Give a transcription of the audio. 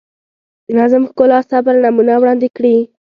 د نظم، ښکلا، صبر نمونه وړاندې کړي.